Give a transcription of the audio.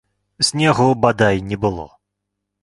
Снегу бадай не было.